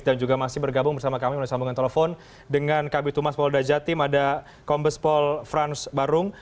dan juga masih bergabung bersama kami masih sambungan telepon dengan kb tumas paul dajatim ada kombes paul frans barung